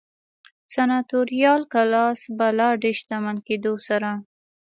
د سناتوریال کلاس په لا ډېر شتمن کېدو سره.